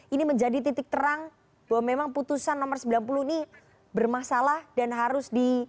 ini menjadi titik terang bahwa memang putusan nomor sembilan puluh ini bermasalah dan harus di